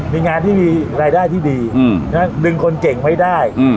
มีงานที่มีรายได้ที่ดีดึงคนเก่งไว้ได้